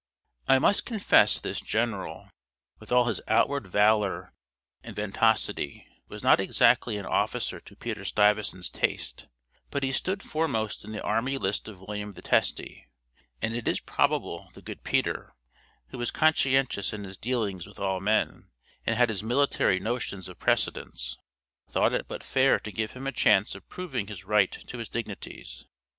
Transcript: " I must confess this general, with all his outward valor and ventosity, was not exactly an officer to Peter Stuyvesant's taste, but he stood foremost in the army list of William the Testy, and it is probable the good Peter, who was conscientious in his dealings with all men, and had his military notions of precedence, thought it but fair to give him a chance of proving his right to his dignities.